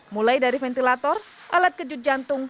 mulai dari ventilator alat kejut jantung